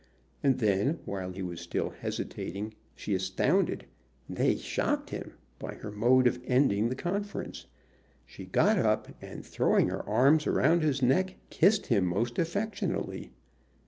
And then, while he was still hesitating, she astounded, nay, shocked him by her mode of ending the conference. She got up and, throwing her arms round his neck, kissed him most affectionately.